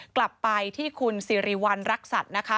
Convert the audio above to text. กลับไปที่คุณสิริวัณรักษัตริย์นะคะ